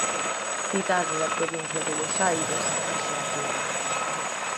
Cidade da provincia de Bos Aires, Arxentina.